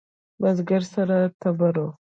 بزگر سره تبر و.